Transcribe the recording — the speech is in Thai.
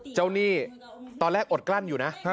หนี้ตอนแรกอดกลั้นอยู่นะ